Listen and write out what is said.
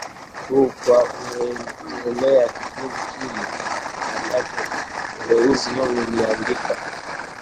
huu kwa kurejelea kipindi kile ambacho utenzi huu uliandikwa